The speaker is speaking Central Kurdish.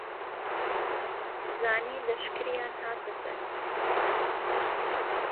زانی لهشکریان هاته سەر